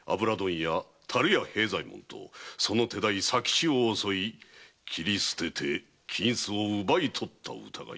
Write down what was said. ・樽屋平左衛門とその手代・佐吉を襲い切り捨てて金子を奪い取った疑い。